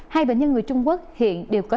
hai bệnh nhân người trung quốc hiện đều có